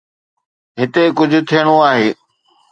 هتي ڪجهه ٿيڻو آهي.